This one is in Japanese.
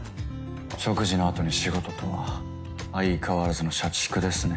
食事のあとに仕事とは相変わらずの社畜ですね。